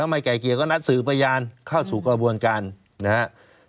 ทำไมไกล่เกลี่ยก็นัดสื่อประยานเข้าสู่กระบวนกันนะครับ